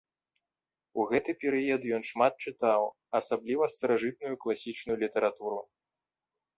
У гэты перыяд ён шмат чытаў, асабліва старажытную класічную літаратуру.